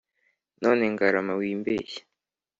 None Ngarama wimbeshya